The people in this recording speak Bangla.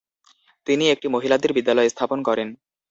তিনি একটি মহিলাদের বিদ্যালয় স্থাপন করেন।